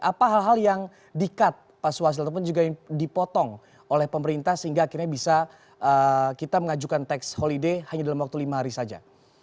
apa hal hal yang di cut pak suhasil ataupun juga yang dipotong oleh pemerintah sehingga akhirnya bisa kita mengajukan tax holiday hanya dalam waktu lima hari saja